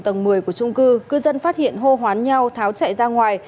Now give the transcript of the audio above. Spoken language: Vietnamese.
tháng nay khói lửa bao trùm tầng một mươi của trung cư cư dân phát hiện hô hoán nhau tháo chạy ra ngoài